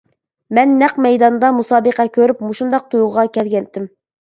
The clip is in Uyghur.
مەن نەق مەيداندا مۇسابىقە كۆرۈپ مۇشۇنداق تۇيغۇغا كەلگەنتىم.